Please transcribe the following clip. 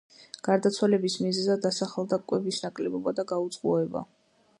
გარდაცვალების მიზეზად დასახელდა კვების ნაკლებობა და გაუწყლოება.